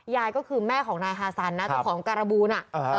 ยายก็คือแม่ของนายฮาซันนะเจ้าของการบูล